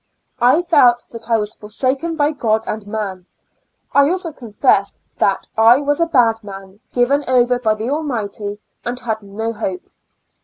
I felt that I was forsaken by God and man ; I also confessed that I was a bad man, given over by the Almighty, and had no hope.